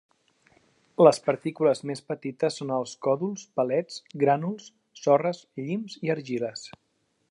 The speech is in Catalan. Les partícules més petites són els còdols, palets, grànuls, sorres, llims i argiles.